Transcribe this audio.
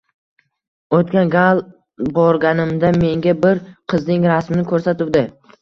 O‘tgan gal borganimda menga bir qizning rasmini ko‘rsatuvdi